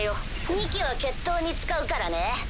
２基は決闘に使うからね。